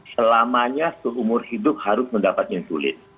selamanya seumur hidup harus mendapat insulin